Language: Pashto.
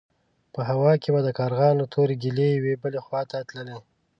په هوا کې به د کارغانو تورې ګلې يوې بلې خوا ته تللې.